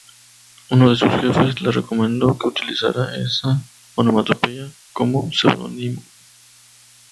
Uno de sus jefes le recomendó que utilizara esa onomatopeya como seudónimo.